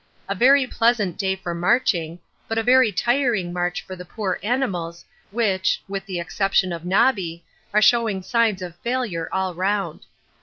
A very pleasant day for marching, but a very tiring march for the poor animals, which, with the exception of Nobby, are showing signs of failure all round.